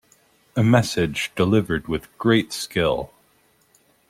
A message delivered with great skill.